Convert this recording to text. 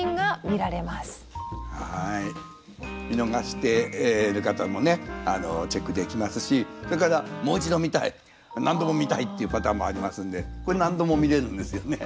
見逃してる方もねチェックできますしそれからもう一度見たい何度も見たいっていうパターンもありますのでこれ何度も見れるんですよね。